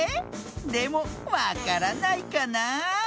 でもわからないかなあ？